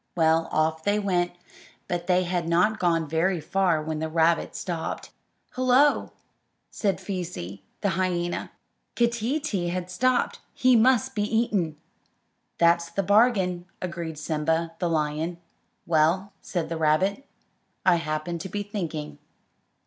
Well, off they went; but they had not gone very far when the rabbit stopped. "Hullo!" said Feesee, the hyena; "Keeteetee has stopped. He must be eaten." "That's the bargain," agreed Simba, the lion. "Well," said the rabbit, "I happened to be thinking."